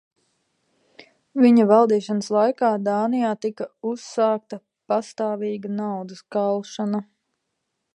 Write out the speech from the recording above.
Viņa valdīšanas laikā Dānijā tika uzsākta pastāvīga naudas kalšana.